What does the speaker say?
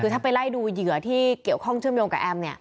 คือถ้าไปไล่ดูเหยื่อที่เกี่ยวข้องเชื่อมโยงกับแอมเนี่ย